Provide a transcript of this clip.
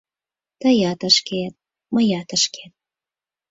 Тыят шкет, мыят шкет